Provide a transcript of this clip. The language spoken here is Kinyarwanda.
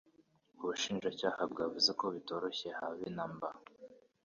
Ubushinjacyaha bwavuze ko bitoroshye habe namba